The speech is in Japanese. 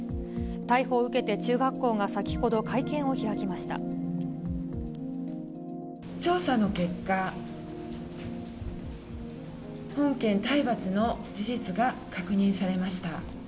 逮捕を受けて中学校が先ほど、調査の結果、本件体罰の事実が確認されました。